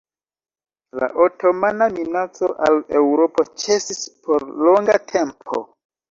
La otomana minaco al Eŭropo ĉesis por longa tempo.